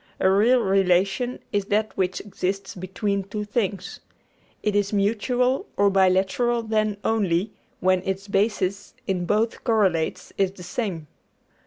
A real relation is that which exists between two things. It is mutual or bilateral then, only when its basis in both correlates is the same.